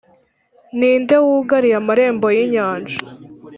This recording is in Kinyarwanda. ni nde wugariye amarembo y’inyanja